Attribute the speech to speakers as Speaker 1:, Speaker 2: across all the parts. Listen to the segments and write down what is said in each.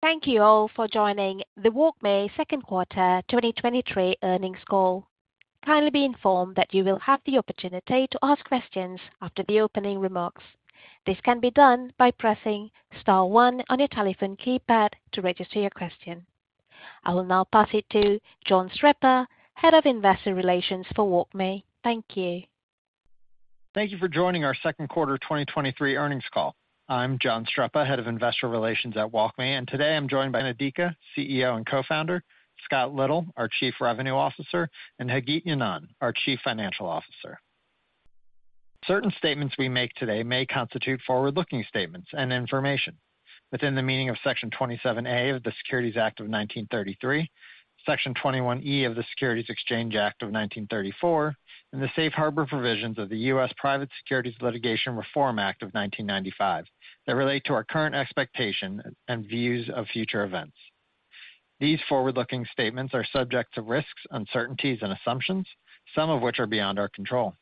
Speaker 1: Thank you all for joining the WalkMe second quarter 2023 earnings call. Kindly be informed that you will have the opportunity to ask questions after the opening remarks. This can be done by pressing star one on your telephone keypad to register your question. I will now pass it to John Streppa, Head of Investor Relations for WalkMe. Thank you.
Speaker 2: Thank you for joining our second quarter 2023 earnings call. I'm John Streppa, Head of Investor Relations at WalkMe, and today I'm joined by Dan Adika, CEO and Co-founder; Scott Little, our Chief Revenue Officer; and Hagit Ynon, our Chief Financial Officer. Certain statements we make today may constitute forward-looking statements and information within the meaning of Section 27A of the Securities Act of 1933, Section 21E of the Securities Exchange Act of 1934, and the Safe Harbor Provisions of the Private Securities Litigation Reform Act of 1995, that relate to our current expectation and views of future events. These forward-looking statements are subject to risks, uncertainties, and assumptions, some of which are beyond our control.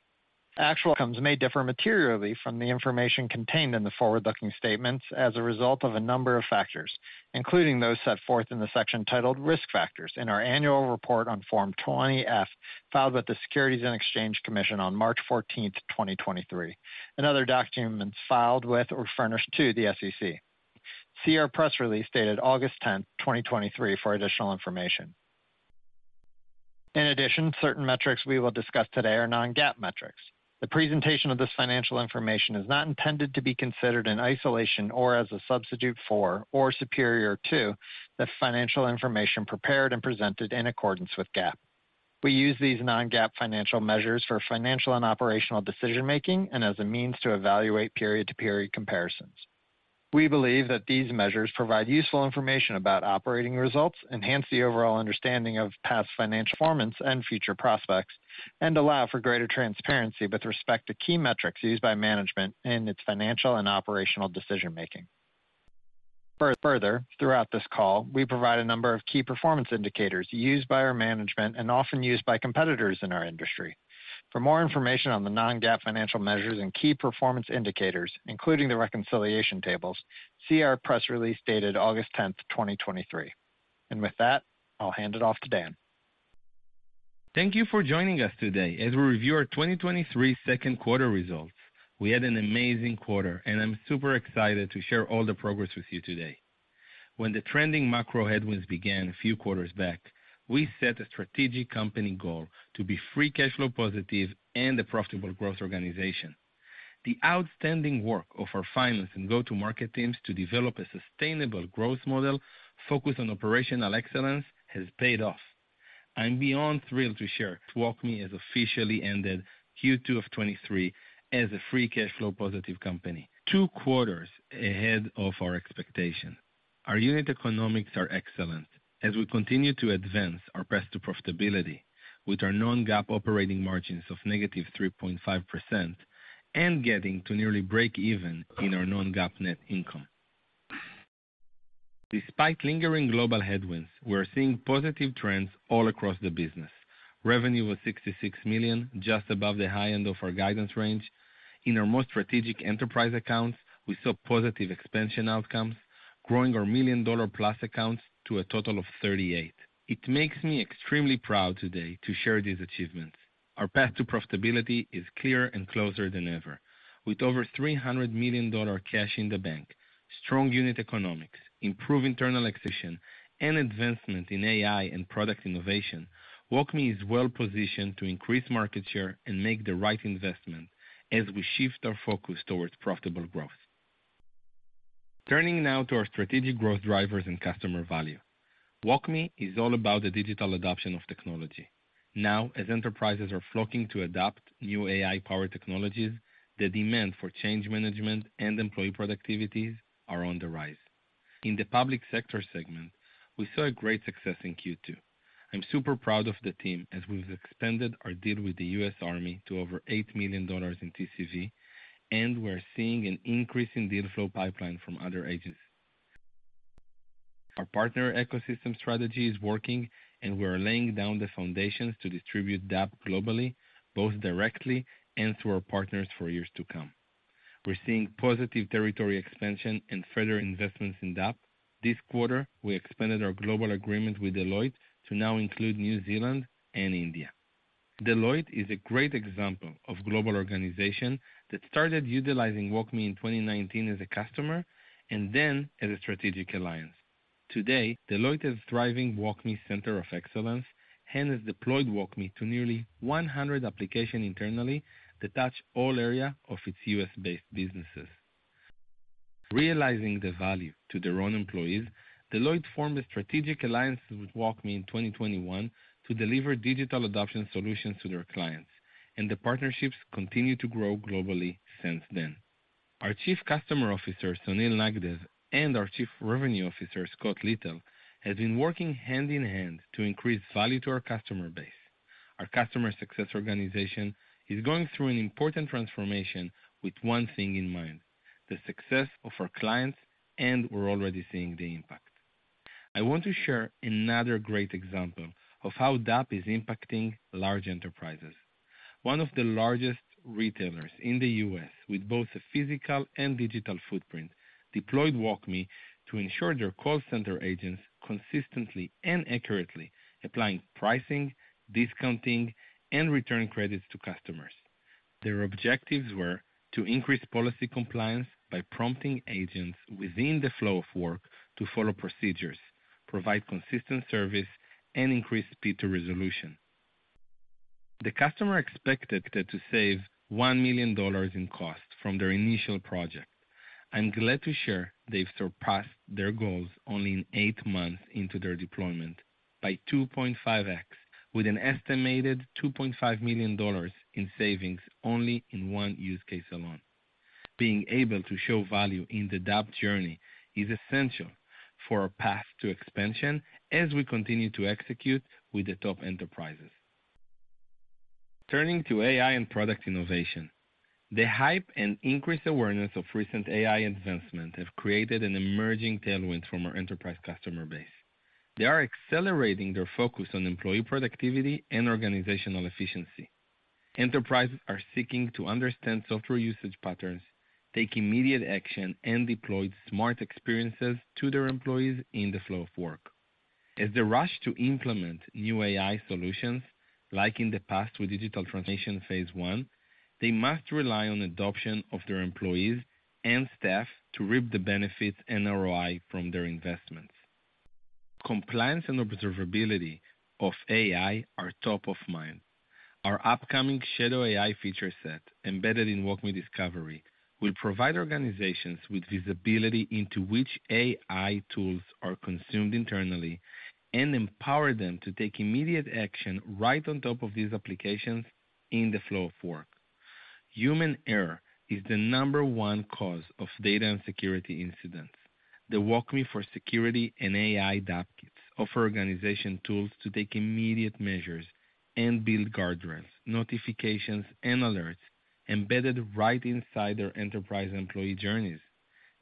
Speaker 2: Actual outcomes may differ materially from the information contained in the forward-looking statements as a result of a number of factors, including those set forth in the section titled Risk Factors in our annual report on Form 20-F, filed with the Securities and Exchange Commission on March 14th, 2023, and other documents filed with or furnished to the SEC. See our press release dated August 10th, 2023, for additional information. In addition, certain metrics we will discuss today are non-GAAP metrics. The presentation of this financial information is not intended to be considered in isolation or as a substitute for, or superior to, the financial information prepared and presented in accordance with GAAP. We use these non-GAAP financial measures for financial and operational decision-making and as a means to evaluate period-to-period comparisons. We believe that these measures provide useful information about operating results, enhance the overall understanding of past financial performance and future prospects, and allow for greater transparency with respect to key metrics used by management in its financial and operational decision-making. Further, throughout this call, we provide a number of key performance indicators used by our management and often used by competitors in our industry. For more information on the non-GAAP financial measures and key performance indicators, including the reconciliation tables, see our press release dated August 10, 2023. With that, I'll hand it off to Dan.
Speaker 3: Thank you for joining us today as we review our 2023 second quarter results. We had an amazing quarter. I'm super excited to share all the progress with you today. When the trending macro headwinds began a few quarters back, we set a strategic company goal to be free cash flow positive and a profitable growth organization. The outstanding work of our finance and go-to-market teams to develop a sustainable growth model focused on operational excellence has paid off. I'm beyond thrilled to share WalkMe has officially ended Q2 of 2023 as a free cash flow positive company, two quarters ahead of our expectation. Our unit economics are excellent as we continue to advance our path to profitability with our non-GAAP operating margins of -3.5% and getting to nearly breakeven in our non-GAAP net income. Despite lingering global headwinds, we're seeing positive trends all across the business. Revenue was $66 million, just above the high end of our guidance range. In our most strategic enterprise accounts, we saw positive expansion outcomes, growing our $1 million-plus accounts to a total of 38. It makes me extremely proud today to share these achievements. Our path to profitability is clear and closer than ever. With over $300 million cash in the bank, strong unit economics, improved internal execution, and advancement in AI and product innovation, WalkMe is well positioned to increase market share and make the right investment as we shift our focus towards profitable growth. Turning now to our strategic growth drivers and customer value. WalkMe is all about the digital adoption of technology. Now, as enterprises are flocking to adopt new AI-powered technologies, the demand for change management and employee productivities are on the rise. In the public sector segment, we saw a great success in Q2. I'm super proud of the team as we've expanded our deal with the U.S. Army to over $8 million in TCV. We're seeing an increase in deal flow pipeline from other agencies. Our partner ecosystem strategy is working. We are laying down the foundations to distribute DAP globally, both directly and through our partners for years to come. We're seeing positive territory expansion and further investments in DAP. This quarter, we expanded our global agreement with Deloitte to now include New Zealand and India. Deloitte is a great example of global organization that started utilizing WalkMe in 2019 as a customer and then as a strategic alliance. Today, Deloitte has thriving WalkMe Center of Excellence and has deployed WalkMe to nearly 100 applications internally that touch all area of its U.S.-based businesses. Realizing the value to their own employees, Deloitte formed a strategic alliance with WalkMe in 2021 to deliver digital adoption solutions to their clients. The partnerships continue to grow globally since then. Our Chief Customer Officer, Sunil Nagdev, and our Chief Revenue Officer, Scott Little, has been working hand in hand to increase value to our customer base. Our customer success organization is going through an important transformation with one thing in mind: the success of our clients. We're already seeing the impact. I want to share another great example of how DAP is impacting large enterprises. One of the largest retailers in the U.S., with both a physical and digital footprint, deployed WalkMe to ensure their call center agents consistently and accurately applying pricing, discounting, and return credits to customers. Their objectives were to increase policy compliance by prompting agents within the flow of work to follow procedures, provide consistent service, and increase speed to resolution. The customer expected that to save $1 million in cost from their initial project. I'm glad to share they've surpassed their goals only in eight months into their deployment by 2.5x, with an estimated $2.5 million in savings only in one use case alone. Being able to show value in the DAP journey is essential for a path to expansion as we continue to execute with the top enterprises. Turning to AI and product innovation. The hype and increased awareness of recent AI investments have created an emerging tailwind from our enterprise customer base. They are accelerating their focus on employee productivity and organizational efficiency. Enterprises are seeking to understand software usage patterns, take immediate action, and deploy smart experiences to their employees in the flow of work. As they rush to implement new AI solutions, like in the past with digital transformation phase I, they must rely on adoption of their employees and staff to reap the benefits and ROI from their investments. Compliance and observability of AI are top of mind. Our upcoming Shadow AI feature set, embedded in WalkMe Discovery, will provide organizations with visibility into which AI tools are consumed internally, and empower them to take immediate action right on top of these applications in the flow of work. Human error is the number one cause of data and security incidents. The WalkMe for Security and AI Apps offer organization tools to take immediate measures and build guardrails, notifications, and alerts embedded right inside their enterprise employee journeys.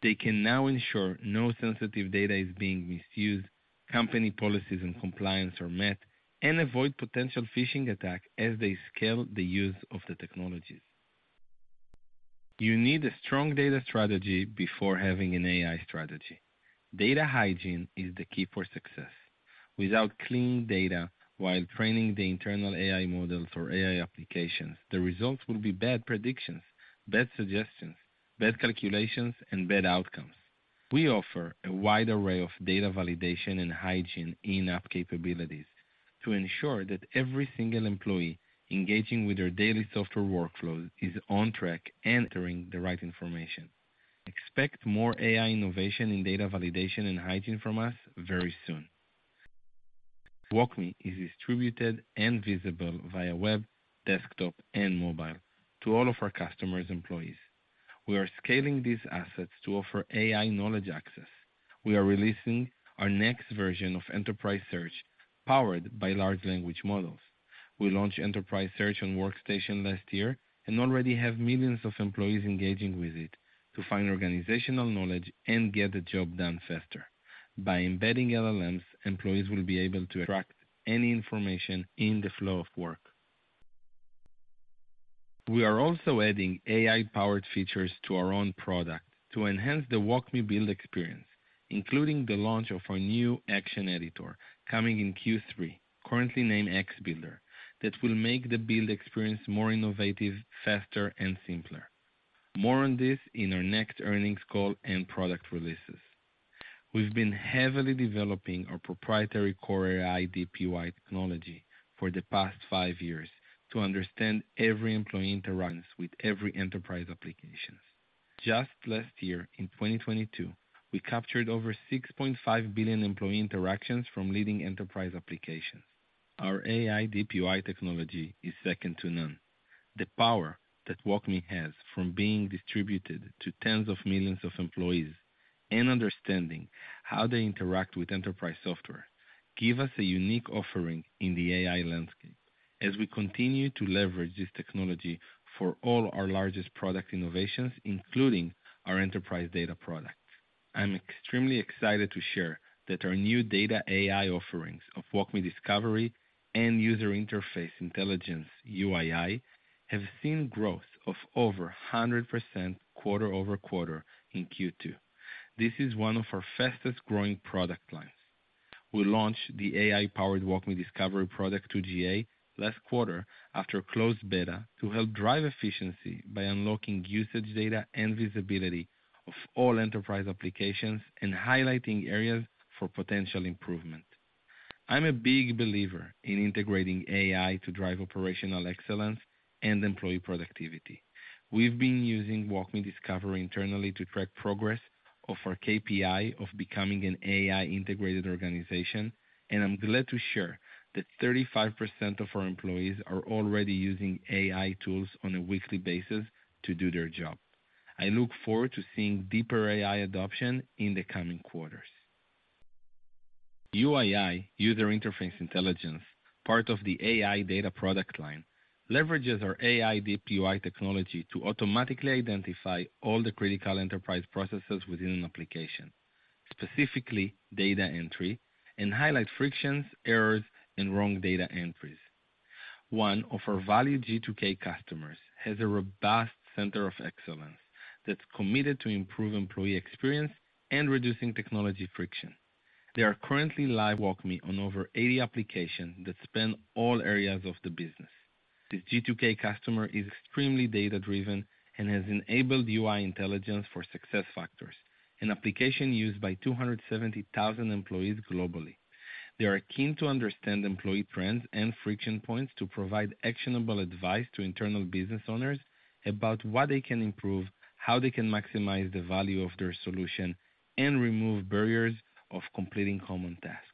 Speaker 3: They can now ensure no sensitive data is being misused, company policies and compliance are met, and avoid potential phishing attack as they scale the use of the technologies. You need a strong data strategy before having an AI strategy. Data hygiene is the key for success. Without clean data, while training the internal AI models for AI applications, the results will be bad predictions, bad suggestions, bad calculations, and bad outcomes. We offer a wide array of data validation and hygiene in-app capabilities to ensure that every single employee engaging with their daily software workflow is on track and entering the right information. Expect more AI innovation in data validation and hygiene from us very soon. WalkMe is distributed and visible via web, desktop, and mobile to all of our customers' employees. We are scaling these assets to offer AI knowledge access. We are releasing our next version of Enterprise Search, powered by large language models. We launched Enterprise Search on Workstation last year and already have millions of employees engaging with it to find organizational knowledge and get the job done faster. By embedding LLMs, employees will be able to extract any information in the flow of work. We are also adding AI-powered features to our own product to enhance the WalkMe build experience, including the launch of our new action editor coming in Q3, currently named WalkMe X, that will make the build experience more innovative, faster, and simpler. More on this in our next earnings call and product releases. We've been heavily developing our proprietary CoreAI Deep UI technology for the past five years to understand every employee interactions with every enterprise applications. Just last year, in 2022, we captured over 6.5 billion employee interactions from leading enterprise applications. Our AI Deep UI technology is second to none. The power that WalkMe has from being distributed to tens of millions of employees and understanding how they interact with enterprise software, give us a unique offering in the AI landscape as we continue to leverage this technology for all our largest product innovations, including our enterprise data products. I'm extremely excited to share that our new data AI offerings of WalkMe Discovery and User Interface Intelligence, UII, have seen growth of over 100% quarter-over-quarter in Q2. This is one of our fastest-growing product lines. We launched the AI-powered WalkMe Discovery product to GA last quarter after a closed beta, to help drive efficiency by unlocking usage data and visibility of all enterprise applications, highlighting areas for potential improvement. I'm a big believer in integrating AI to drive operational excellence and employee productivity. We've been using WalkMe Discovery internally to track progress of our KPI of becoming an AI-integrated organization, I'm glad to share that 35% of our employees are already using AI tools on a weekly basis to do their job. I look forward to seeing deeper AI adoption in the coming quarters. UII, User Interface Intelligence, part of the AI data product line, leverages our Deep UI technology to automatically identify all the critical enterprise processes within an application, specifically data entry and highlight frictions, errors, and wrong data entries. One of our valued G2K customers has a robust Center of Excellence that's committed to improve employee experience and reducing technology friction. They are currently live WalkMe on over 80 applications that span all areas of the business. This G2K customer is extremely data-driven and has enabled UI Intelligence for SuccessFactors, an application used by 270,000 employees globally. They are keen to understand employee trends and friction points to provide actionable advice to internal business owners about what they can improve, how they can maximize the value of their solution, and remove barriers of completing common tasks.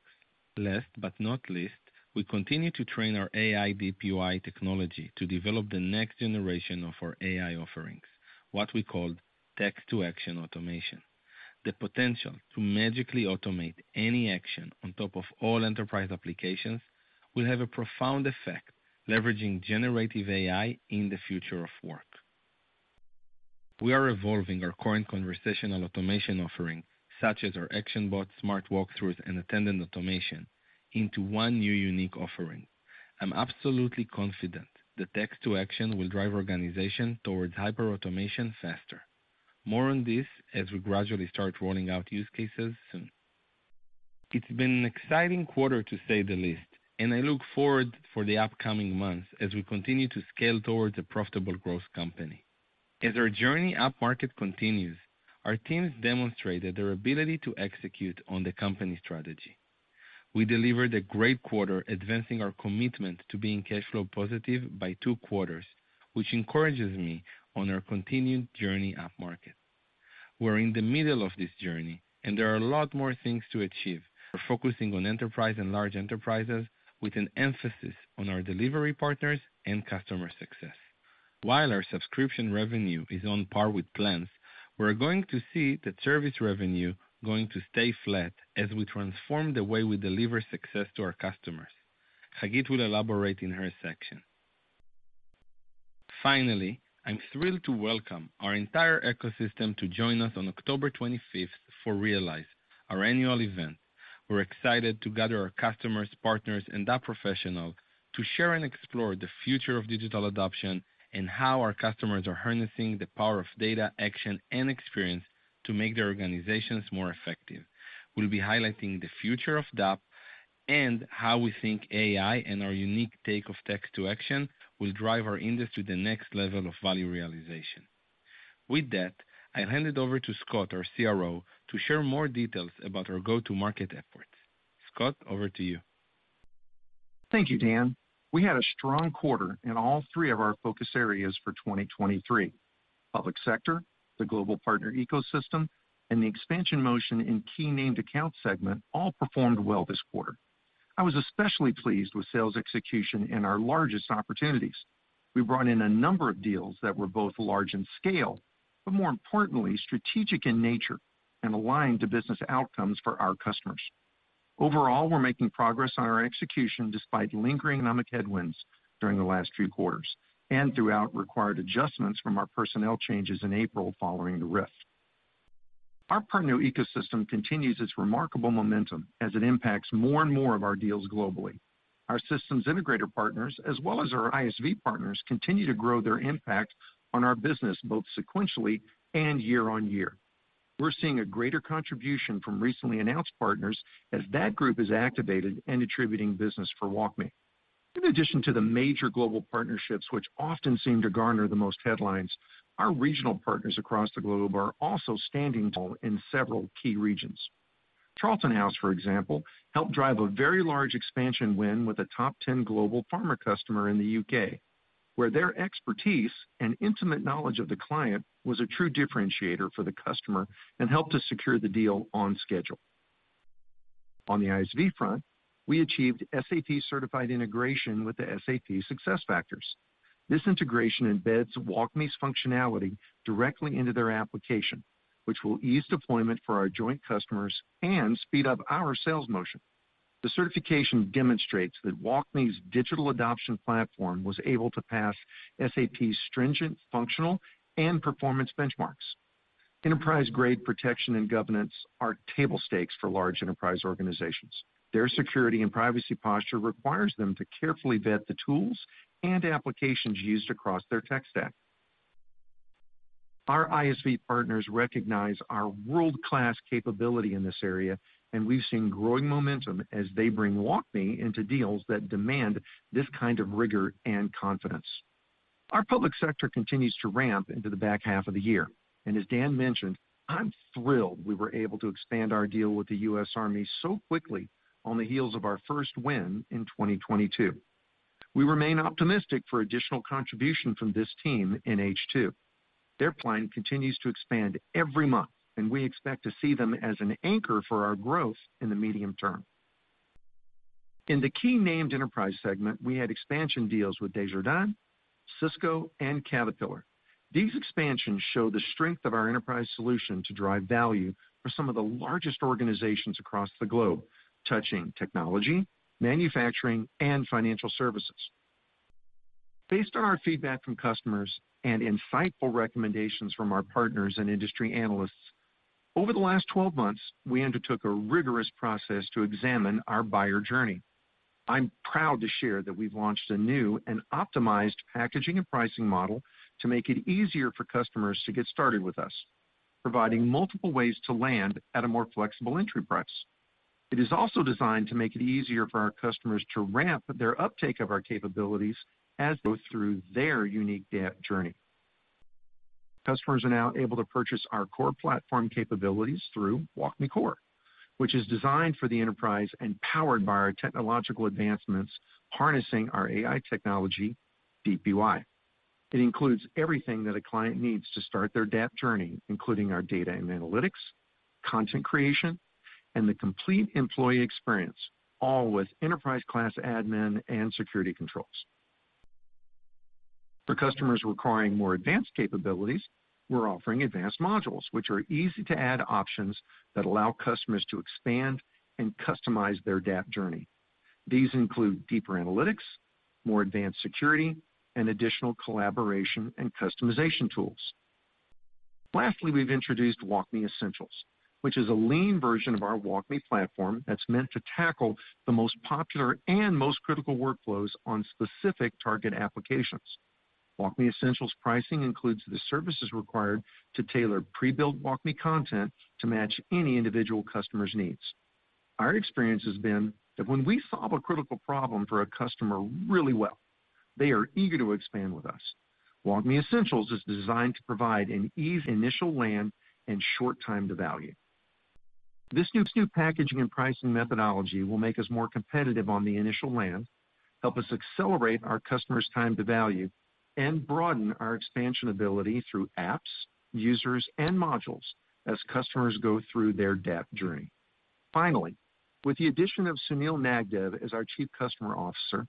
Speaker 3: Last but not least, we continue to train our AI DAP technology to develop the next generation of our AI offerings, what we call text-to-action automation. The potential to magically automate any action on top of all enterprise applications will have a profound effect, leveraging generative AI in the future of work. We are evolving our current conversational automation offering, such as our ActionBot, Smart Walk-Thrus, and Attended Automation, into one new unique offering. I'm absolutely confident the text-to-action will drive organization towards hyper-automation faster. More on this as we gradually start rolling out use cases soon. It's been an exciting quarter, to say the least, and I look forward for the upcoming months as we continue to scale towards a profitable growth company. As our journey upmarket continues, our teams demonstrated their ability to execute on the company strategy. We delivered a great quarter, advancing our commitment to being cash flow positive by two quarters, which encourages me on our continued journey upmarket. We're in the middle of this journey, and there are a lot more things to achieve. We're focusing on enterprise and large enterprises with an emphasis on our delivery partners and customer success. While our subscription revenue is on par with plans, we're going to see the service revenue going to stay flat as we transform the way we deliver success to our customers. Hagit will elaborate in her section. Finally, I'm thrilled to welcome our entire ecosystem to join us on October 25th for Realize, our annual event. We're excited to gather our customers, partners, and DAP professionals to share and explore the future of digital adoption and how our customers are harnessing the power of data, action, and experience to make their organizations more effective. We'll be highlighting the future of DAP and how we think AI and our unique take of text-to-action will drive our industry to the next level of value realization. With that, I hand it over to Scott, our CRO, to share more details about our go-to-market efforts. Scott, over to you.
Speaker 4: Thank you, Dan. We had a strong quarter in all three of our focus areas for 2023. Public sector, the global partner ecosystem, and the expansion motion in key named account segment all performed well this quarter. I was especially pleased with sales execution in our largest opportunities. We brought in a number of deals that were both large in scale, more importantly, strategic in nature and aligned to business outcomes for our customers. Overall, we're making progress on our execution, despite lingering economic headwinds during the last few quarters and throughout required adjustments from our personnel changes in April following the RIF. Our partner ecosystem continues its remarkable momentum as it impacts more and more of our deals globally. Our systems integrator partners, as well as our ISV partners, continue to grow their impact on our business, both sequentially and year-on-year. We're seeing a greater contribution from recently announced partners as that group is activated and attributing business for WalkMe. In addition to the major global partnerships, which often seem to garner the most headlines, our regional partners across the globe are also standing tall in several key regions. Charlton House, for example, helped drive a very large expansion win with a top 10 global pharma customer in the U.K., where their expertise and intimate knowledge of the client was a true differentiator for the customer and helped us secure the deal on schedule. On the ISV front, we achieved SAP-certified integration with the SAP SuccessFactors. This integration embeds WalkMe's functionality directly into their application, which will ease deployment for our joint customers and speed up our sales motion. The certification demonstrates that WalkMe's Digital Adoption Platform was able to pass SAP's stringent functional and performance benchmarks. Enterprise-grade protection and governance are table stakes for large enterprise organizations. Their security and privacy posture requires them to carefully vet the tools and applications used across their tech stack. Our ISV partners recognize our world-class capability in this area, and we've seen growing momentum as they bring WalkMe into deals that demand this kind of rigor and confidence. Our public sector continues to ramp into the back half of the year, and as Dan mentioned, I'm thrilled we were able to expand our deal with the U.S. Army so quickly on the heels of our first win in 2022. We remain optimistic for additional contribution from this team in H2. Their plan continues to expand every month, and we expect to see them as an anchor for our growth in the medium term. In the key named enterprise segment, we had expansion deals with Desjardins, Cisco, and Caterpillar. These expansions show the strength of our enterprise solution to drive value for some of the largest organizations across the globe, touching technology, manufacturing, and financial services. Based on our feedback from customers and insightful recommendations from our partners and industry analysts, over the last 12 months, we undertook a rigorous process to examine our buyer journey. I'm proud to share that we've launched a new and optimized packaging and pricing model to make it easier for customers to get started with us, providing multiple ways to land at a more flexible entry price. It is also designed to make it easier for our customers to ramp their uptake of our capabilities as go through their unique DAP journey. Customers are now able to purchase our core platform capabilities through WalkMe Core, which is designed for the enterprise and powered by our technological advancements, harnessing our AI technology, Deep UI. It includes everything that a client needs to start their DAP journey, including our data and analytics, content creation, and the complete employee experience, all with enterprise-class admin and security controls. For customers requiring more advanced capabilities, we're offering advanced modules, which are easy-to-add options that allow customers to expand and customize their DAP journey. These include deeper analytics, more advanced security, and additional collaboration and customization tools. Lastly, we've introduced WalkMe Essentials, which is a lean version of our WalkMe platform that's meant to tackle the most popular and most critical workflows on specific target applications. WalkMe Essentials pricing includes the services required to tailor pre-built WalkMe content to match any individual customer's needs. Our experience has been that when we solve a critical problem for a customer really well, they are eager to expand with us. WalkMe Essentials is designed to provide an easy initial land and short time to value. This new, new packaging and pricing methodology will make us more competitive on the initial land, help us accelerate our customers' time to value, and broaden our expansion ability through apps, users, and modules as customers go through their DAP journey. Finally, with the addition of Sunil Nagdev as our Chief Customer Officer,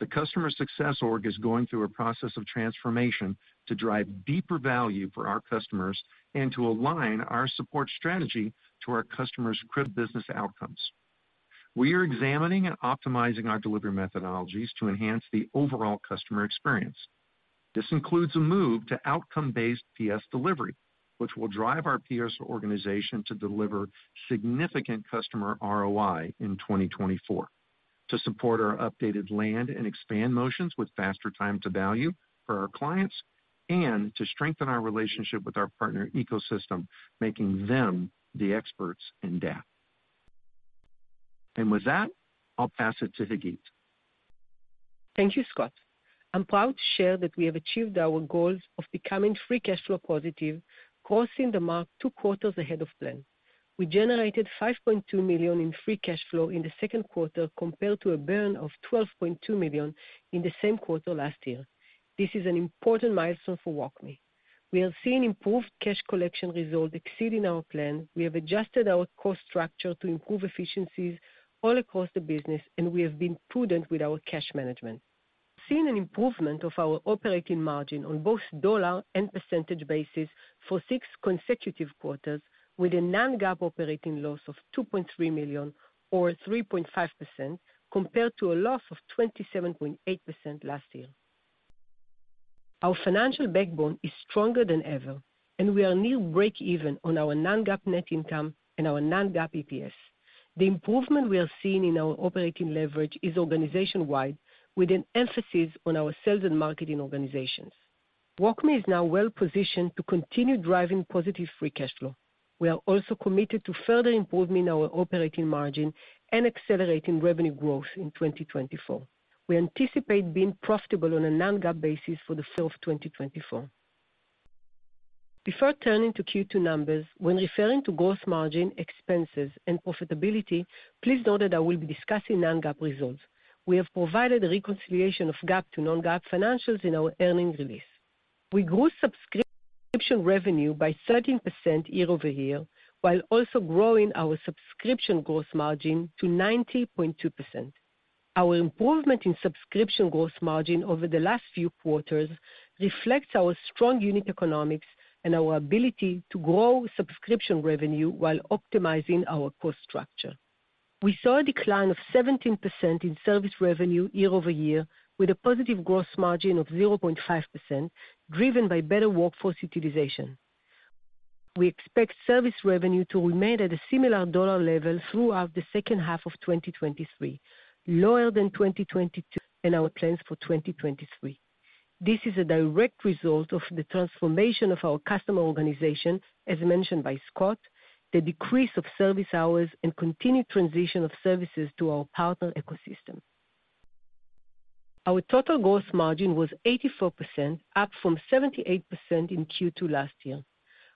Speaker 4: the customer success org is going through a process of transformation to drive deeper value for our customers and to align our support strategy to our customers' critical business outcomes. We are examining and optimizing our delivery methodologies to enhance the overall customer experience. This includes a move to outcome-based PS delivery, which will drive our PS organization to deliver significant customer ROI in 2024, to support our updated land and expand motions with faster time to value for our clients, and to strengthen our relationship with our partner ecosystem, making them the experts in DAP. With that, I'll pass it to Hagit.
Speaker 5: Thank you, Scott. I'm proud to share that we have achieved our goals of becoming free cash flow positive, crossing the mark two quarters ahead of plan. We generated $5.2 million in free cash flow in the second quarter, compared to a burn of $12.2 million in the same quarter last year. This is an important milestone for WalkMe. We have seen improved cash collection results exceeding our plan. We have adjusted our cost structure to improve efficiencies all across the business, and we have been prudent with our cash management. Seeing an improvement of our operating margin on both dollar and percentage basis for six consecutive quarters with a non-GAAP operating loss of $2.3 million, or 3.5%, compared to a loss of 27.8% last year. Our financial backbone is stronger than ever, we are near breakeven on our non-GAAP net income and our non-GAAP EPS. The improvement we are seeing in our operating leverage is organization-wide, with an emphasis on our sales and marketing organizations. WalkMe is now well positioned to continue driving positive free cash flow. We are also committed to further improving our operating margin and accelerating revenue growth in 2024. We anticipate being profitable on a non-GAAP basis for the full year of 2024. Before turning to Q2 numbers, when referring to gross margin, expenses, and profitability, please note that I will be discussing non-GAAP results. We have provided a reconciliation of GAAP to non-GAAP financials in our earnings release. We grew subscription revenue by 13% year-over-year, while also growing our subscription gross margin to 90.2%. Our improvement in subscription gross margin over the last few quarters reflects our strong unit economics and our ability to grow subscription revenue while optimizing our cost structure. We saw a decline of 17% in service revenue year-over-year, with a positive gross margin of 0.5%, driven by better workforce utilization. We expect service revenue to remain at a similar dollar level throughout the second half of 2023, lower than 2022 and our plans for 2023. This is a direct result of the transformation of our customer organization, as mentioned by Scott, the decrease of service hours, and continued transition of services to our partner ecosystem. Our total gross margin was 84%, up from 78% in Q2 last year.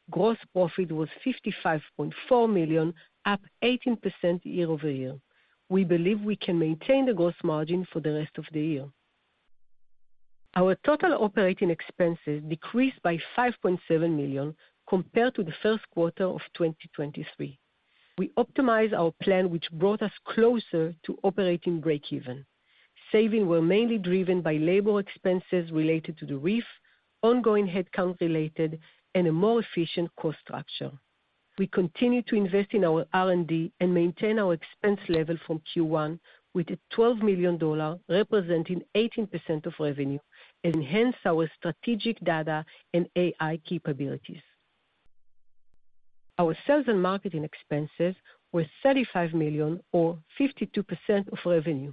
Speaker 5: Gross profit was $55.4 million, up 18% year-over-year. We believe we can maintain the gross margin for the rest of the year. Our total operating expenses decreased by $5.7 million compared to the first quarter of 2023. We optimized our plan, which brought us closer to operating breakeven. Savings were mainly driven by labor expenses related to the RIF, ongoing headcount-related, and a more efficient cost structure. We continue to invest in our R&D and maintain our expense level from Q1, with a $12 million, representing 18% of revenue, enhance our strategic data and AI capabilities. Our sales and marketing expenses were $35 million or 52% of revenue,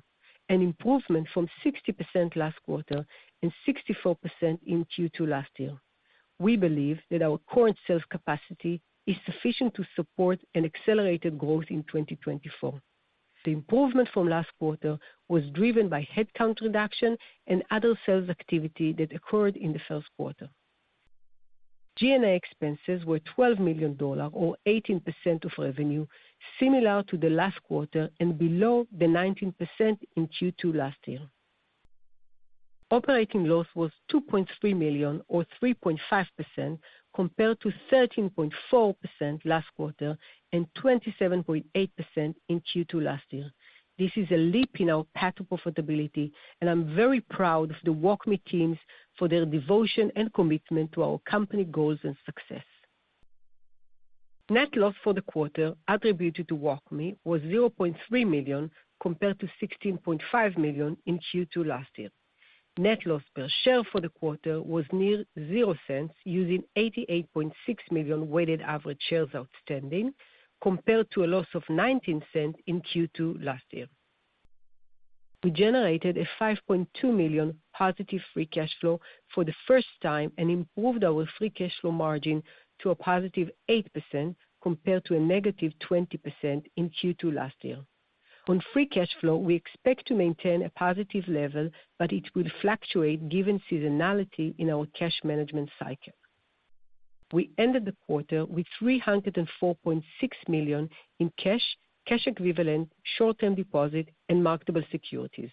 Speaker 5: an improvement from 60% last quarter and 64% in Q2 last year. We believe that our current sales capacity is sufficient to support an accelerated growth in 2024. The improvement from last quarter was driven by headcount reduction and other sales activity that occurred in the first quarter. G&A expenses were $12 million or 18% of revenue, similar to the last quarter and below the 19% in Q2 last year. Operating loss was $2.3 million or 3.5%, compared to 13.4% last quarter and 27.8% in Q2 last year. This is a leap in our path to profitability, and I'm very proud of the WalkMe teams for their devotion and commitment to our company goals and success. Net loss for the quarter attributed to WalkMe was $0.3 million, compared to $16.5 million in Q2 last year. Net loss per share for the quarter was near $0.00, using 88.6 million weighted average shares outstanding, compared to a loss of $0.19 in Q2 last year. We generated a $5.2 million positive free cash flow for the first time and improved our free cash flow margin to a positive 8%, compared to a -20% in Q2 last year. On free cash flow, we expect to maintain a positive level, but it will fluctuate given seasonality in our cash management cycle. We ended the quarter with $304.6 million in cash, cash equivalent, short-term deposit, and marketable securities.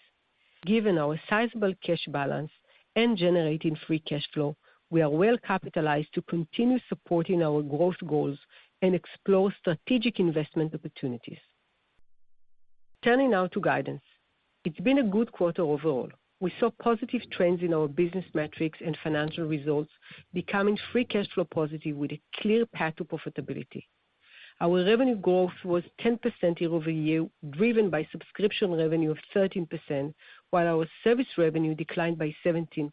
Speaker 5: Given our sizable cash balance and generating free cash flow, we are well capitalized to continue supporting our growth goals and explore strategic investment opportunities. Turning now to guidance. It's been a good quarter overall. We saw positive trends in our business metrics and financial results, becoming free cash flow positive with a clear path to profitability. Our revenue growth was 10% year-over-year, driven by subscription revenue of 13%, while our service revenue declined by 17%.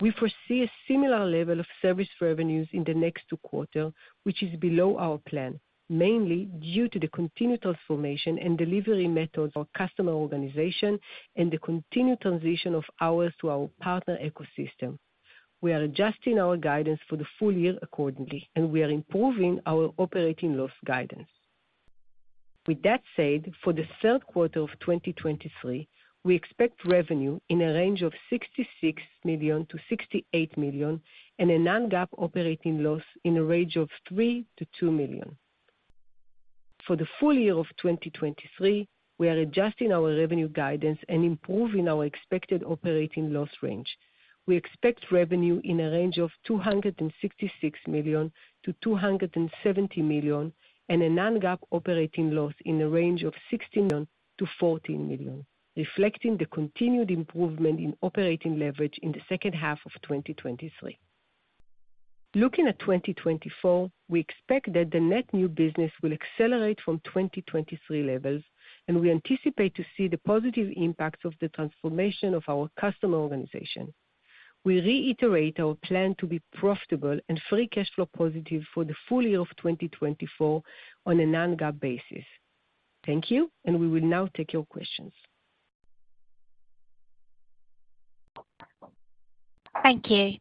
Speaker 5: We foresee a similar level of service revenues in the next 2 quarter, which is below our plan, mainly due to the continued transformation and delivery methods of our customer organization and the continued transition of ours to our partner ecosystem. We are adjusting our guidance for the full year accordingly. We are improving our operating loss guidance. With that said, for the third quarter of 2023, we expect revenue in a range of $66 million-$68 million and a non-GAAP operating loss in a range of $3 million-$2 million. For the full year of 2023, we are adjusting our revenue guidance and improving our expected operating loss range. We expect revenue in a range of $266 million-$270 million, and a non-GAAP operating loss in the range of $16 million-$14 million, reflecting the continued improvement in operating leverage in the second half of 2023. Looking at 2024, we expect that the net new business will accelerate from 2023 levels, and we anticipate to see the positive impacts of the transformation of our customer organization. We reiterate our plan to be profitable and free cash flow positive for the full year of 2024 on a non-GAAP basis. Thank you, and we will now take your questions.
Speaker 1: Thank you.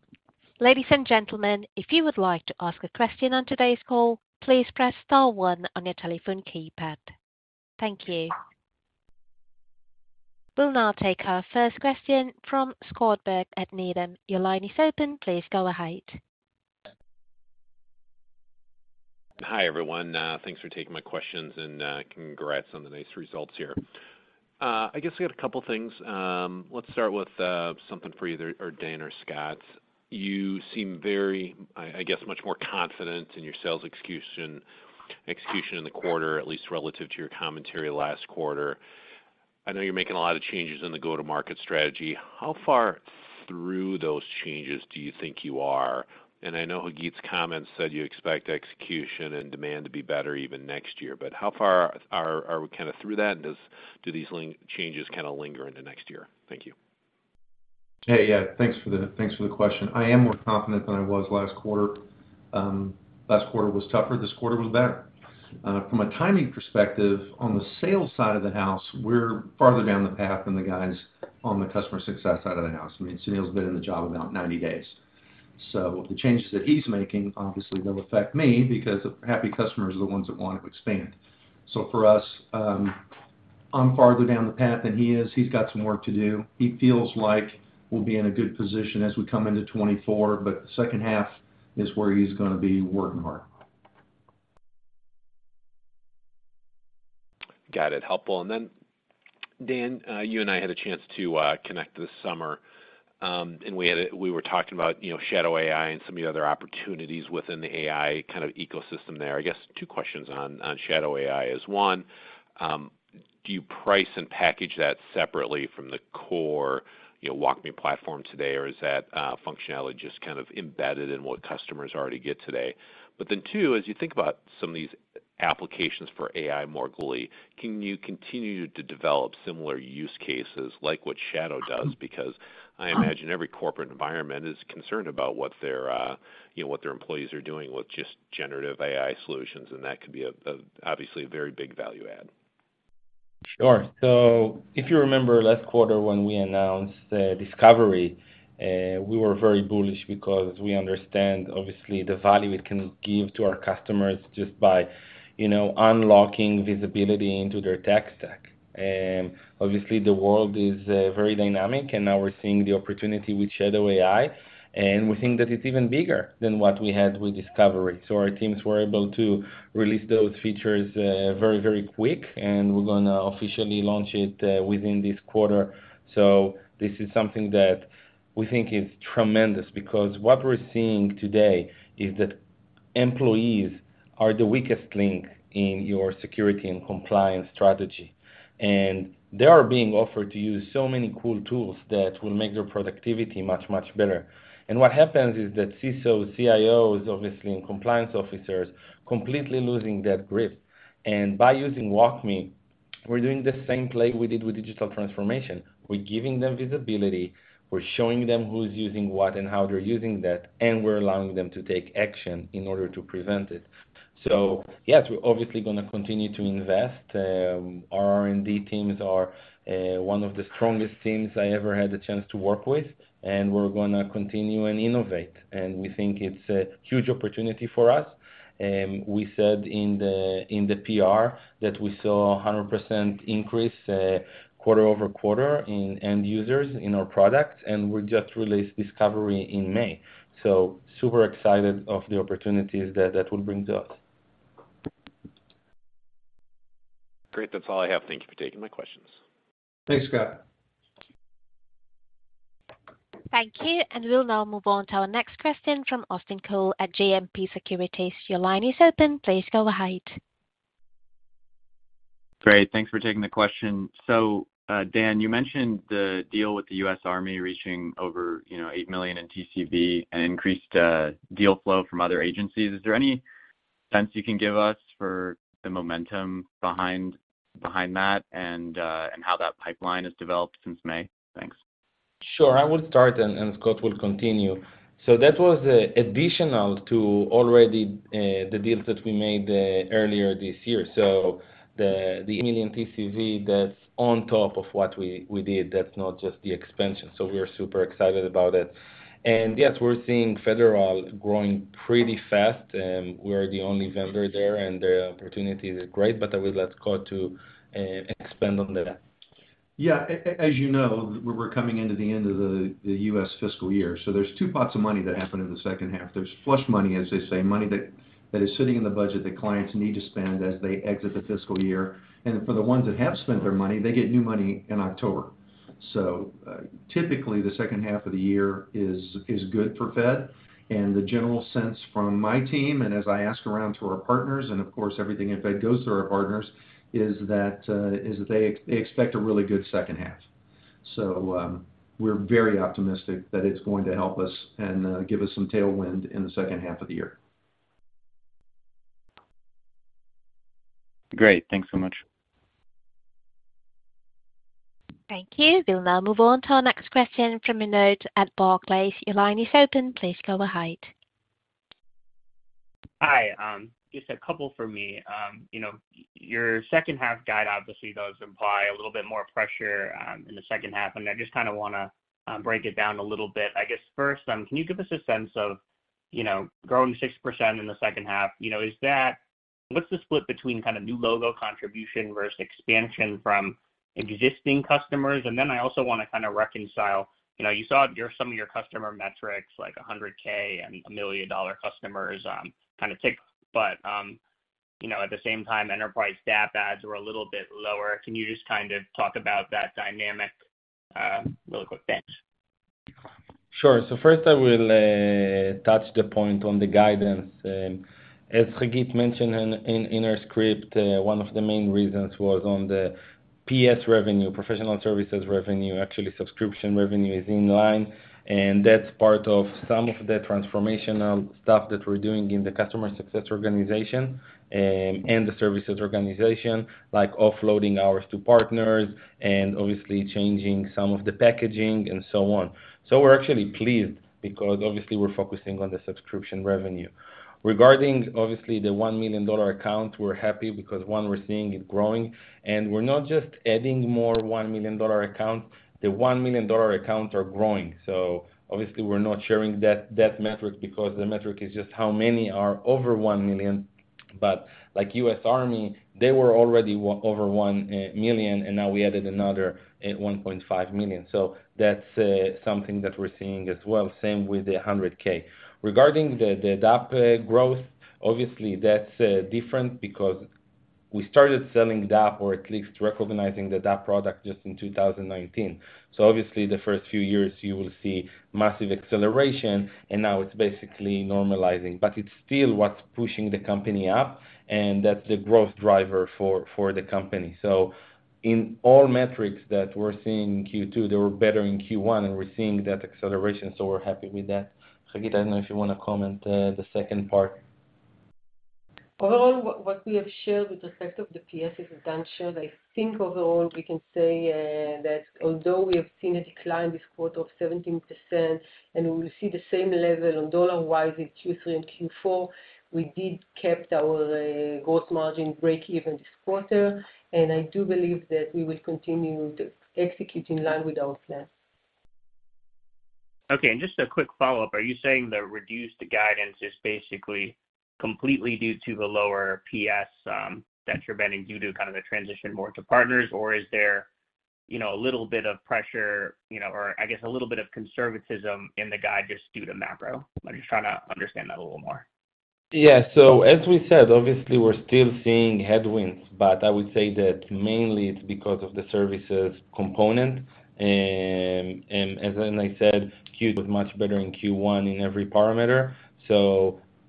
Speaker 1: Ladies and gentlemen, if you would like to ask a question on today's call, please press star one on your telephone keypad. Thank you. We'll now take our first question from Scott Berg at Needham. Your line is open. Please go ahead.
Speaker 6: Hi, everyone, thanks for taking my questions and congrats on the nice results here. I guess I got a couple things. Let's start with something for either, or Dan Adika or Scott Little. You seem very, I guess, much more confident in your sales execution, execution in the quarter, at least relative to your commentary last quarter. I know you're making a lot of changes in the go-to-market strategy. How far through those changes do you think you are? I know Hagit Ynon's comments said you expect execution and demand to be better even next year. How far are we kind of through that, and do these changes kind of linger into next year? Thank you.
Speaker 4: Hey, yeah, thanks for the, thanks for the question. I am more confident than I was last quarter. Last quarter was tougher. This quarter was better. From a timing perspective, on the sales side of the house, we're farther down the path than the guys on the customer success side of the house. I mean Sunil's been in the job about 90 days, the changes that he's making obviously will affect me because the happy customers are the ones that want to expand. For us, I'm farther down the path than he is. He's got some work to do. He feels like we'll be in a good position as we come into 2024, the second half is where he's gonna be working hard.
Speaker 6: Got it. Helpful.... Dan, you and I had a chance to connect this summer. We were talking about, you know, Shadow AI and some of the other opportunities within the AI kind of ecosystem there. I guess two questions on, on Shadow AI is, one, do you price and package that separately from the core, you know, WalkMe platform today? Is that functionality just kind of embedded in what customers already get today? As you think about some of these applications for AI more globally, can you continue to develop similar use cases like what Shadow does? Because I imagine every corporate environment is concerned about what their, you know, what their employees are doing with just generative AI solutions, and that could be obviously a very big value add.
Speaker 3: Sure. If you remember last quarter when we announced Discovery, we were very bullish because we understand obviously the value it can give to our customers just by, you know, unlocking visibility into their tech stack. Obviously, the world is very dynamic, and now we're seeing the opportunity with Shadow AI, and we think that it's even bigger than what we had with Discovery. Our teams were able to release those features, very, very quick, and we're gonna officially launch it within this quarter. This is something that we think is tremendous, because what we're seeing today is that employees are the weakest link in your security and compliance strategy. They are being offered to use so many cool tools that will make their productivity much, much better. What happens is that CISOs, CIOs, obviously, and compliance officers completely losing that grip. By using WalkMe, we're doing the same play we did with digital transformation. We're giving them visibility, we're showing them who's using what and how they're using that, and we're allowing them to take action in order to prevent it. Yes, we're obviously gonna continue to invest. Our R&D teams are one of the strongest teams I ever had the chance to work with, and we're gonna continue and innovate, and we think it's a huge opportunity for us. We said in the PR that we saw a 100% increase quarter over quarter in end users in our product, and we just released Discovery in May. Super excited of the opportunities that that will bring to us.
Speaker 6: Great. That's all I have. Thank you for taking my questions.
Speaker 4: Thanks, Scott.
Speaker 1: Thank you. We'll now move on to our next question from Austin Cole at JMP Securities. Your line is open. Please go ahead.
Speaker 7: Great. Thanks for taking the question. Dan, you mentioned the deal with the U.S. Army reaching over, you know, $8 million in TCV and increased deal flow from other agencies. Is there any sense you can give us for the momentum behind, behind that and how that pipeline has developed since May? Thanks.
Speaker 3: Sure, I will start, Scott will continue. That was additional to already the deals that we made earlier this year. The $1 million TCV, that's on top of what we did, that's not just the expansion. We are super excited about it. Yes, we're seeing federal growing pretty fast, we are the only vendor there, and the opportunities are great, but I will let Scott to expand on that.
Speaker 4: Yeah. As you know, we're coming into the end of the U.S. fiscal year. There's two pots of money that happen in the second half. There's flush money, as they say, money that, that is sitting in the budget that clients need to spend as they exit the fiscal year. For the ones that have spent their money, they get new money in October. Typically, the second half of the year is good for Fed. The general sense from my team, as I ask around to our partners, of course, everything in Fed goes through our partners, is that they expect a really good second half. We're very optimistic that it's going to help us and give us some tailwind in the second half of the year.
Speaker 7: Great. Thanks so much.
Speaker 1: Thank you. We'll now move on to our next question from Raimo Lenschow at Barclays. Your line is open. Please go ahead.
Speaker 8: Hi, just a couple for me. You know, your second half guide obviously does imply a little bit more pressure in the second half, I just kinda wanna break it down a little bit. I guess first, can you give us a sense of, you know, growing 6% in the second half, you know, is that-- What's the split between kind of new logo contribution versus expansion from existing customers? Then I also wanna kinda reconcile, you know, you saw your, some of your customer metrics, like 100,000 and $1 million customers, kinda tick, but, you know, at the same time, enterprise DAP adds were a little bit lower. Can you just kind of talk about that dynamic really quick? Thanks.
Speaker 3: Sure. First I will touch the point on the guidance. As Hagit mentioned in our script, one of the main reasons was on the PS revenue, professional services revenue, actually, subscription revenue is in line, and that's part of some of the transformational stuff that we're doing in the customer success organization, and the services organization, like offloading hours to partners and obviously changing some of the packaging and so on. We're actually pleased because obviously we're focusing on the subscription revenue. Regarding, obviously, the $1 million account, we're happy because, 1, we're seeing it growing, and we're not just adding more $1 million accounts. The $1 million accounts are growing, so obviously we're not sharing that, that metric because the metric is just how many are over $1 million. Like U.S. Army, they were already over $1 million, and now we added another $1.5 million. That's something that we're seeing as well. Same with the $100K. Regarding the DAP growth, obviously that's different because. We started selling DAP, or at least recognizing the DAP product, just in 2019. Obviously, the first few years you will see massive acceleration, and now it's basically normalizing. It's still what's pushing the company up, and that's the growth driver for the company. In all metrics that we're seeing in Q2, they were better in Q1, and we're seeing that acceleration, so we're happy with that. Hagit, I don't know if you want to comment the second part.
Speaker 5: Overall, what we have shared with respect of the PS is done. I think overall, we can say that although we have seen a decline this quarter of 17%, and we will see the same level on dollar-wise in Q3 and Q4, we did kept our gross margin breakeven this quarter, and I do believe that we will continue to execute in line with our plan.
Speaker 8: Okay, just a quick follow-up. Are you saying the reduced guidance is basically completely due to the lower PS that you're vending due to kind of the transition more to partners? Or is there, you know, a little bit of pressure, you know, or I guess a little bit of conservatism in the guide just due to macro? I'm just trying to understand that a little more.
Speaker 3: Yeah. As we said, obviously, we're still seeing headwinds, but I would say that mainly it's because of the services component. As I said, Q2 was much better in Q1 in every parameter.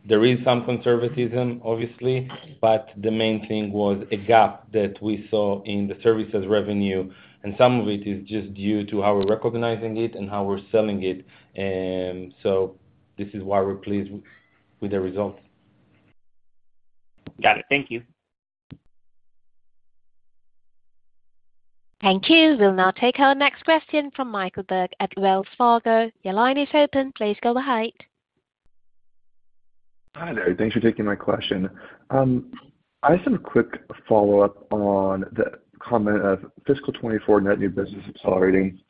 Speaker 3: There is some conservatism, obviously, but the main thing was a gap that we saw in the services revenue, and some of it is just due to how we're recognizing it and how we're selling it. This is why we're pleased with the results.
Speaker 8: Got it. Thank you.
Speaker 1: Thank you. We'll now take our next question from Michael Turrin at Wells Fargo. Your line is open. Please go ahead.
Speaker 9: Hi there. Thanks for taking my question. I have some quick follow-up on the comment of fiscal 2024 net new business accelerating.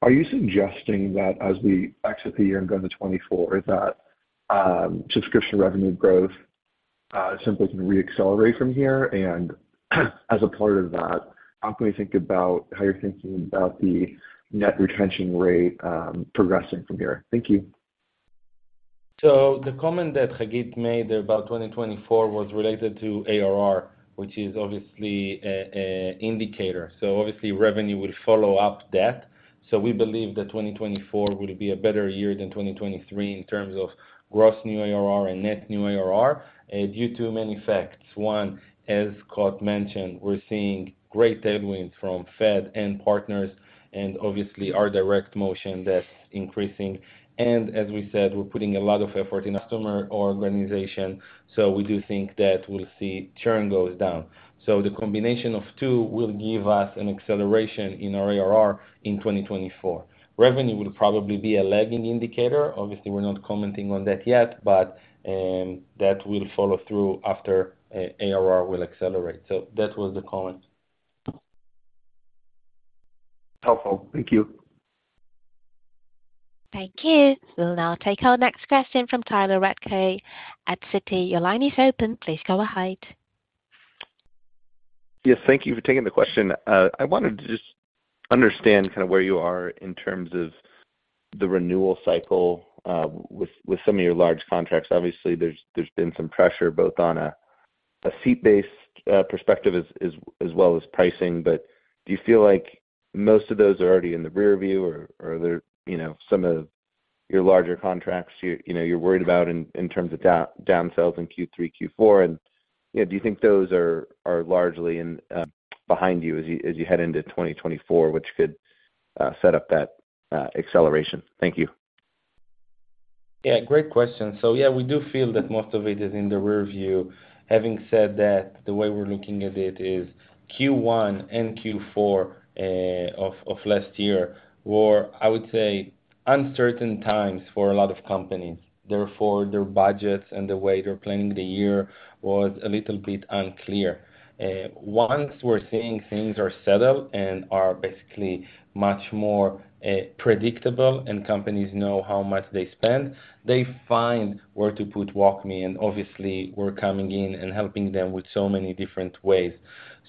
Speaker 9: Are you suggesting that as we exit the year and go into 2024, that subscription revenue growth simply can re-accelerate from here? As a part of that, how can we think about how you're thinking about the net retention rate progressing from here? Thank you.
Speaker 3: The comment that Hagit made about 2024 was related to ARR, which is obviously a indicator. Obviously, revenue will follow up that. We believe that 2024 will be a better year than 2023 in terms of gross new ARR and net new ARR due to many facts. One, as Scott mentioned, we're seeing great tailwinds from Fed and partners and obviously our direct motion that's increasing. As we said, we're putting a lot of effort in customer organization, so we do think that we'll see churn goes down. The combination of two will give us an acceleration in our ARR in 2024. Revenue will probably be a lagging indicator. Obviously, we're not commenting on that yet, but that will follow through after ARR will accelerate. That was the comment.
Speaker 9: Helpful. Thank you.
Speaker 1: Thank you. We'll now take our next question from Tyler Radke at Citigroup. Your line is open. Please go ahead.
Speaker 10: Yes, thank you for taking the question. I wanted to just understand kind of where you are in terms of the renewal cycle, with, with some of your large contracts. Obviously, there's, there's been some pressure, both on a, a seat-based, perspective as, as, as well as pricing. Do you feel like most of those are already in the rear view, or, or are there, you know, some of your larger contracts you, you know, you're worried about in, in terms of downsells in Q3, Q4? You know, do you think those are, are largely in, behind you as you, as you head into 2024, which could, set up that, acceleration? Thank you.
Speaker 3: Yeah, great question. Yeah, we do feel that most of it is in the rear view. Having said that, the way we're looking at it is Q1 and Q4 of last year were, I would say, uncertain times for a lot of companies. Therefore, their budgets and the way they're planning the year was a little bit unclear. Once we're seeing things are settled and are basically much more predictable and companies know how much they spend, they find where to put WalkMe, and obviously, we're coming in and helping them with so many different ways.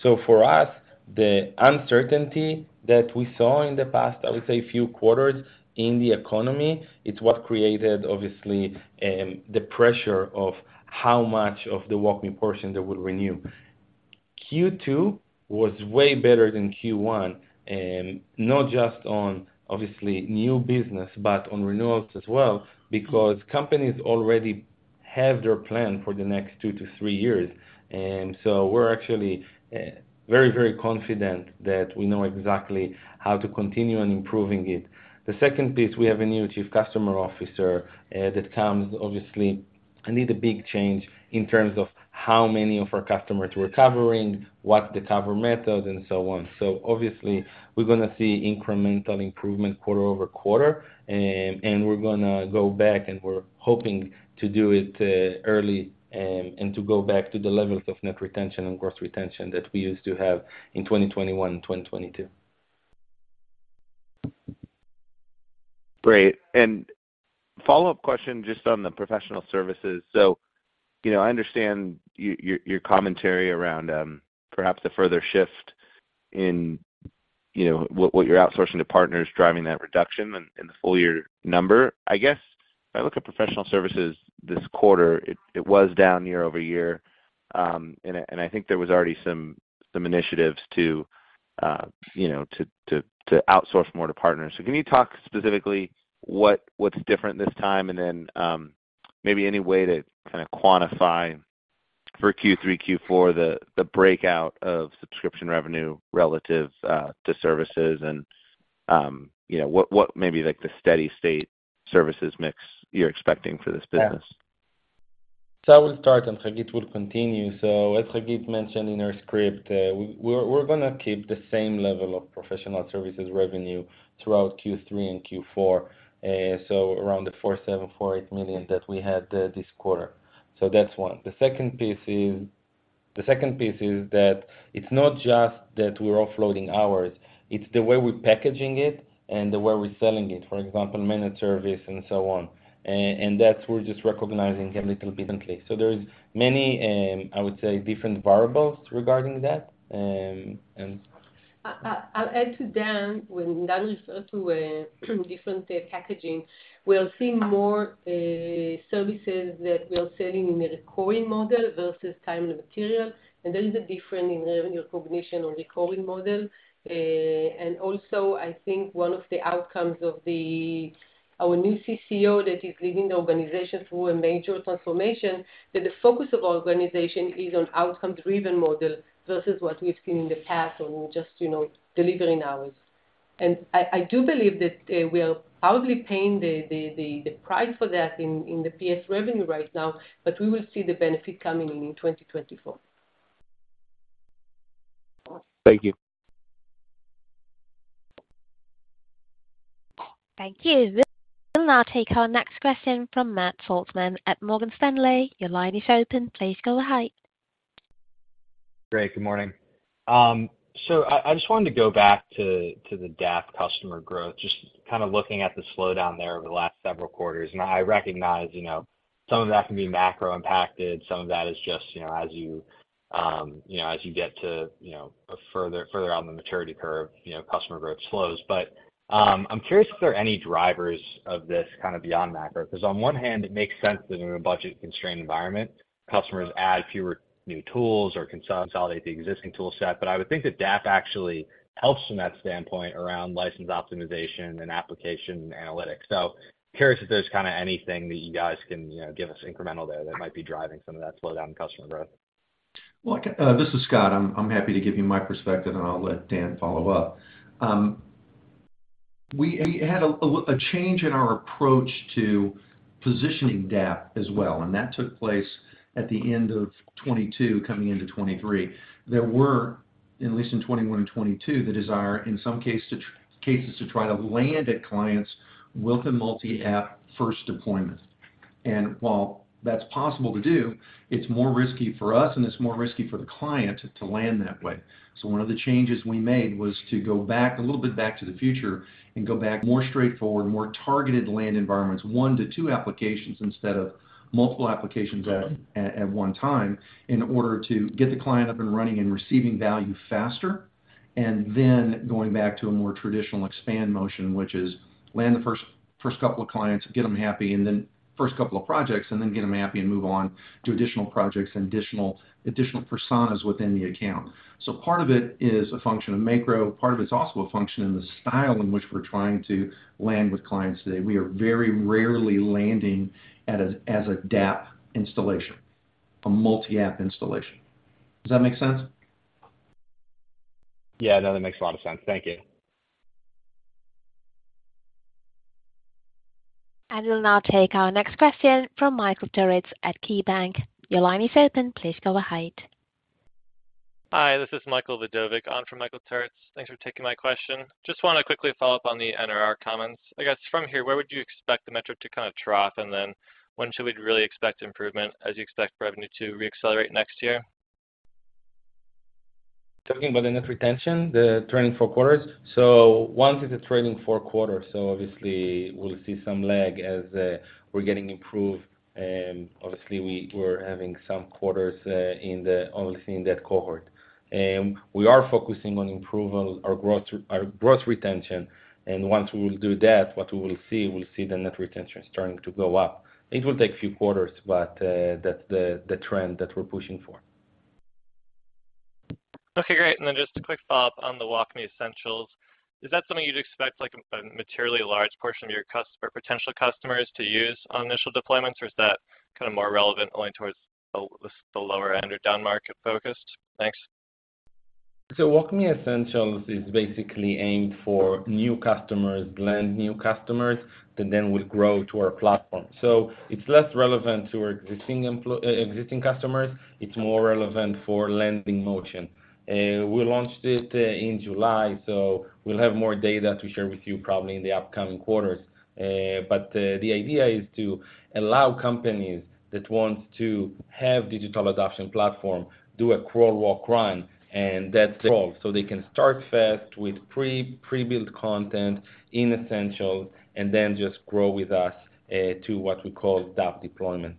Speaker 3: For us, the uncertainty that we saw in the past, I would say a few quarters in the economy, it's what created obviously, the pressure of how much of the WalkMe portion they would renew. Q2 was way better than Q1, not just on obviously, new business, but on renewals as well, because companies already have their plan for the next two to three years. We're actually very, very confident that we know exactly how to continue on improving it. The second piece, we have a new Chief Customer Officer that comes obviously, and need a big change in terms of how many of our customers we're covering, what the cover method, and so on. Obviously, we're gonna see incremental improvement quarter over quarter, and we're gonna go back, and we're hoping to do it early, and to go back to the levels of net retention and growth retention that we used to have in 2021 and 2022.
Speaker 10: Great, follow-up question just on the professional services. You know, I understand your, your commentary around perhaps a further shift in, you know, what, what you're outsourcing to partners, driving that reduction in, in the full year number. I guess, if I look at professional services this quarter, it, it was down year-over-year, and I, and I think there was already some, some initiatives to, you know, to, to, to outsource more to partners. Can you talk specifically what, what's different this time? Maybe any way to kinda quantify for Q3, Q4, the, the breakout of subscription revenue relative to services and, you know, what, what maybe like the steady state services mix you're expecting for this business?
Speaker 3: Yeah. I will start, and Hagit will continue. As Hagit mentioned in her script, we're gonna keep the same level of professional services revenue throughout Q3 and Q4, so around the $4.7 million-$4.8 million that we had this quarter. That's one. The second piece is, the second piece is that it's not just that we're offloading hours, it's the way we're packaging it and the way we're selling it, for example, managed services and so on. And that's we're just recognizing a little bit differently. There's many, I would say, different variables regarding that, and-
Speaker 5: I'll add to Dan, when Dan referred to a different packaging. We're seeing more services that we're selling in the recurring model versus time and materials, and there is a difference in revenue recognition on recurring model. Also, I think one of the outcomes of our new CCO that is leading the organization through a major transformation, that the focus of our organization is on outcome-driven model versus what we've seen in the past on just, you know, delivering hours. I do believe that we are probably paying the price for that in the PS revenue right now, but we will see the benefit coming in in 2024.
Speaker 10: Thank you.
Speaker 1: Thank you. We'll now take our next question from Matt Saltzman at Morgan Stanley. Your line is open. Please go ahead.
Speaker 11: Great. Good morning. So I, I just wanted to go back to, to the DAP customer growth, just kind of looking at the slowdown there over the last several quarters. I recognize, you know, some of that can be macro impacted. Some of that is just, you know, as you, you know, as you get to, you know, further, further out in the maturity curve, you know, customer growth slows. I'm curious if there are any drivers of this kind of beyond macro, 'cause on one hand, it makes sense that in a budget-constrained environment, customers add fewer new tools or consolidate the existing tool set. I would think that DAP actually helps from that standpoint around license optimization and application analytics. curious if there's kinda anything that you guys can, you know, give us incremental there that might be driving some of that slowdown in customer growth.
Speaker 4: Well, this is Scott. I'm, I'm happy to give you my perspective, and I'll let Dan follow up. We, we had a, a change in our approach to positioning DAP as well. That took place at the end of 2022, coming into 2023. There were, at least in 2021 and 2022, the desire, in some cases, to try to land at clients with a multi-app first deployment. While that's possible to do, it's more risky for us, and it's more risky for the client to land that way. One of the changes we made was to go back, a little bit back to the future and go back more straightforward, more targeted land environments, one to two applications instead of multiple applications at, at one time, in order to get the client up and running and receiving value faster. Going back to a more traditional expand motion, which is land the first two clients, get them happy, and then first two projects, and then get them happy and move on to additional projects and additional, additional personas within the account. Part of it is a function of macro, part of it's also a function in the style in which we're trying to land with clients today. We are very rarely landing at a, as a DAP installation, a multi-app installation. Does that make sense?
Speaker 11: Yeah, no, that makes a lot of sense. Thank you.
Speaker 1: I will now take our next question from Michael Turits at KeyBanc. Your line is open. Please go ahead.
Speaker 12: Hi, this is Michael Vidovic on from Michael Turits. Thanks for taking my question. Just wanna quickly follow up on the NRR comments. I guess, from here, where would you expect the metric to kind of trough, and then when should we really expect improvement as you expect revenue to reaccelerate next year?
Speaker 3: Talking about the net retention, the trailing four quarters? Once it's a trailing four quarters, so obviously we'll see some lag as we're getting improved. Obviously, we were having some quarters in the... only seeing that cohort. We are focusing on improving our growth, our growth retention, and once we will do that, what we will see, we'll see the net retention starting to go up. It will take a few quarters. That's the, the trend that we're pushing for.
Speaker 12: Okay, great. Then just a quick follow-up on the WalkMe Essentials. Is that something you'd expect, like, a materially large portion of your customer-- potential customers to use on initial deployments, or is that kind of more relevant only towards the, the lower end or down-market focused? Thanks.
Speaker 3: WalkMe Essentials is basically aimed for new customers, land new customers, that then will grow to our platform. It's less relevant to our existing customers. It's more relevant for landing motion. We launched it in July, so we'll have more data to share with you, probably in the upcoming quarters. The idea is to allow companies that want to have digital adoption platform do a crawl, walk, run, and that's all. They can start fast with pre-built content in Essentials and then just grow with us to what we call DAP deployment.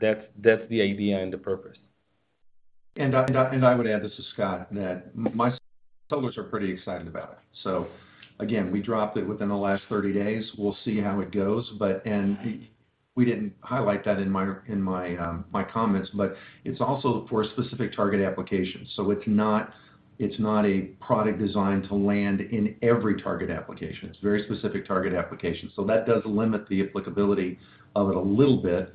Speaker 3: That's the idea and the purpose.
Speaker 4: I would add, this is Scott, that my customers are pretty excited about it. Again, we dropped it within the last 30 days. We'll see how it goes, but and we, we didn't highlight that in my, in my, my comments, but it's also for specific target applications. It's not, it's not a product designed to land in every target application. It's a very specific target application, so that does limit the applicability of it a little bit.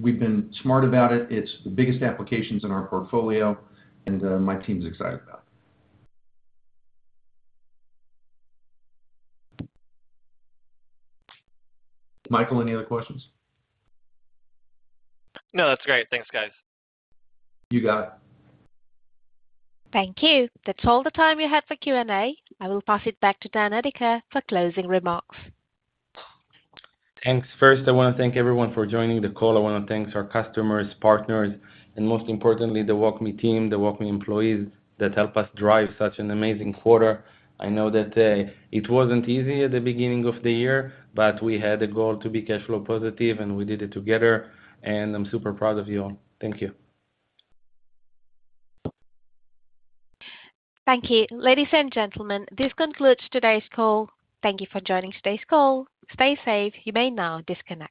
Speaker 4: We've been smart about it. It's the biggest applications in our portfolio, and, my team's excited about it. Michael, any other questions?
Speaker 12: No, that's great. Thanks, guys.
Speaker 4: You got it.
Speaker 1: Thank you. That's all the time we have for Q&A. I will pass it back to Dan Adika for closing remarks.
Speaker 3: Thanks. First, I wanna thank everyone for joining the call. I wanna thank our customers, partners, and most importantly, the WalkMe team, the WalkMe employees that help us drive such an amazing quarter. I know that it wasn't easy at the beginning of the year, but we had a goal to be cash flow positive, and we did it together, and I'm super proud of you all. Thank you.
Speaker 1: Thank you. Ladies and gentlemen, this concludes today's call. Thank you for joining today's call. Stay safe. You may now disconnect.